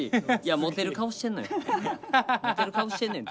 モテる顔してんねんな。